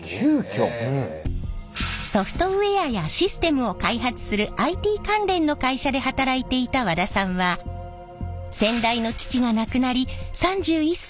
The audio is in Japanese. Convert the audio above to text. ソフトウエアやシステムを開発するＩＴ関連の会社で働いていた和田さんは先代の父が亡くなり３１歳で社長に。